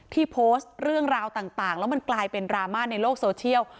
โพสต์เรื่องราวต่างแล้วมันกลายเป็นดราม่าในโลกโซเชียล